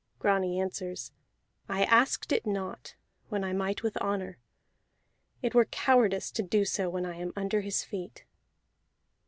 Grani answers: "I asked it not when I might with honor; it were cowardice to do so when I am under his feet."